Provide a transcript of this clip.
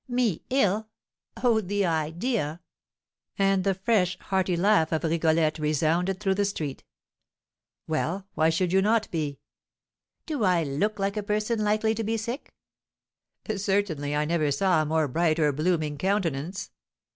"Me ill? Oh, the idea!" And the fresh, hearty laugh of Rigolette resounded through the street. "Well, why should you not be?" "Do I look like a person likely to be sick?" "Certainly I never saw a more bright or blooming countenance."